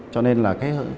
cho nên là cái